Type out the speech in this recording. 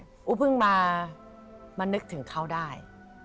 กูเพิ่งมานึกถึงเขาได้